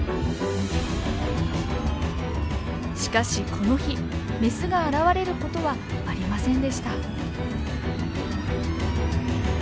しかしこの日メスが現れることはありませんでした。